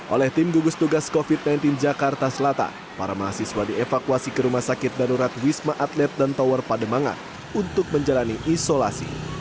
oleh tim gugus tugas covid sembilan belas jakarta selatan para mahasiswa dievakuasi ke rumah sakit darurat wisma atlet dan tower pademangat untuk menjalani isolasi